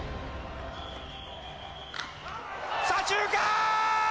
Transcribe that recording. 左中間！